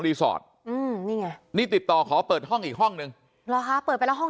รีสอร์ทนี่ติดต่อขอเปิดห้องอีกห้องนึงหรอคะเปิดไปแล้วห้อง